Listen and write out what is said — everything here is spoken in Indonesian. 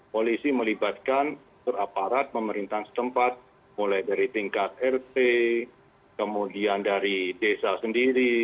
polisi melibatkan aparat pemerintahan setempat mulai dari tingkat rt kemudian dari desa sendiri